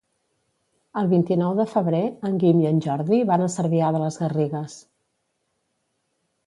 El vint-i-nou de febrer en Guim i en Jordi van a Cervià de les Garrigues.